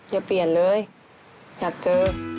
อย่าเปลี่ยนเลยอยากเจอ